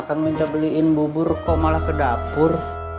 akan minta beliin bubur kok malah ke dapur